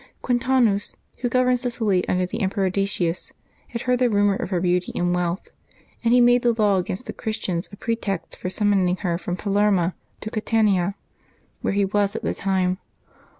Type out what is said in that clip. Quin tanus, who governed Sicily under the Emperor Decius, had heard the rumor of her beauty and wealth, and he made the laws against the Christians a pretext for summoning her from Palermo to Catania, where he was at the time.